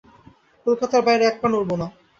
কলকাতার বাইরে এক পা নড়ব না।